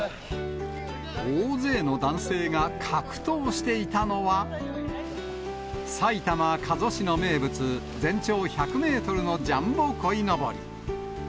大勢の男性が格闘していたのは、埼玉・加須市の名物、全長１００メートルのジャンボこいのぼり。